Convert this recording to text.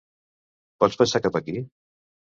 Pots passar cap aquí?